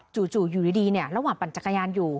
อยู่ดีระหว่างปั่นจักรยานอยู่